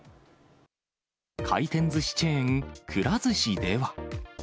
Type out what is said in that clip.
回転ずしチェーン、くら寿司では。